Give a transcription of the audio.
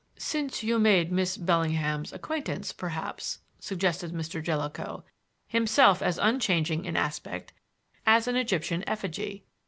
"Since you made Miss Bellingham's acquaintance, perhaps?" suggested Mr. Jellicoe, himself as unchanging in aspect as an Egyptian effigy.